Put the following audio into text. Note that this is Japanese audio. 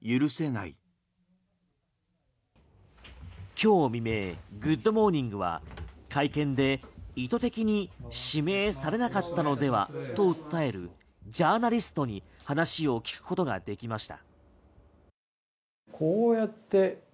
今日未明「グッド！モーニング」は会見で意図的に指名されなかったのではと訴えるジャーナリストに話を聞くことができました。